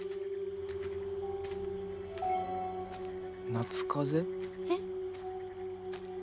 夏風邪？え？